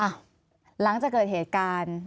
หลังจากเกิดเหตุการณ์